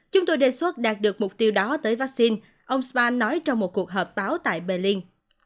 chúng tôi đề xuất đạt được mục tiêu đó tới vaccine ông spa nói trong một cuộc họp báo tại belling